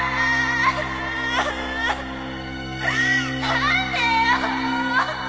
何でよ